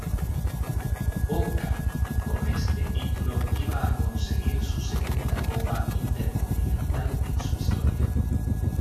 Boca con este título iba a conseguir su segunda copa Intercontinental en su historia.